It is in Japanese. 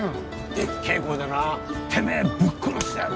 でっけえ声でな「てめえぶっ殺してやる！」